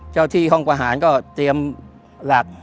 เจ้าที่ห้องประหารก็เตรียมหลัก